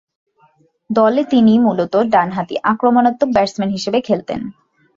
দলে তিনি মূলতঃ ডানহাতি আক্রমণাত্মক ব্যাটসম্যান হিসেবে খেলতেন।